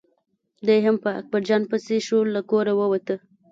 دی هم په اکبر جان پسې شو له کوره ووت.